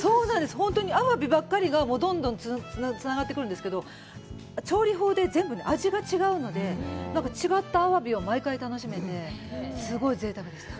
本当にアワビばかりがどんどんつながってくるんですけど、調理法で全部味が違うので、なんか違ったアワビを毎回楽しめて、すごいぜいたくでした。